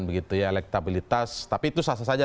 elektabilitas tapi itu sah sah saja